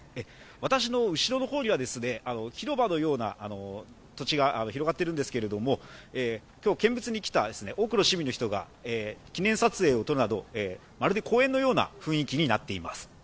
私の後ろの方には広場のような土地が広がっているんですけれども、今日、見物に来た多くの市民の人が記念撮影をとるなど、まるで公園のような雰囲気になっています。